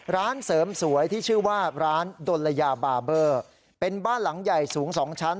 ร้านเสริมสวยที่ชื่อว่าร้านดลยาบาเบอร์เป็นบ้านหลังใหญ่สูง๒ชั้น